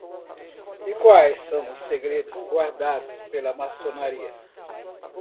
E quais são os segredos guardados pela maçonaria?